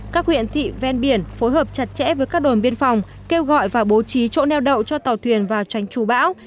các huyện thị ven biển phối hợp chặt chẽ với các đồn biên phòng kêu gọi và bố trí chỗ neo đậu cho tàu thuyền vào tránh trù bão